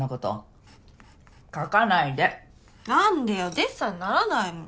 デッサンにならないもん。